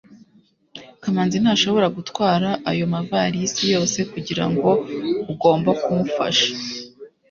kamanzi ntashobora gutwara ayo mavalisi yose kugirango ugomba kumufasha